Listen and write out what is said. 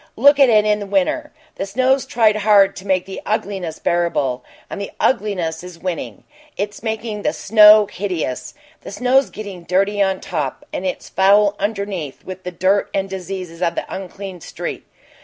Look at it in winter. The snow's tried hard to make the ugliness bearable, but the ugliness is winning; it's making the snow hideous; the snow's getting dirty on top, and it's foul underneath with the dirt and disease of the unclean street.